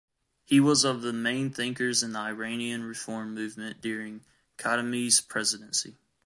He was of the main thinkers in the Iranian reform movement during Khatami's presidency.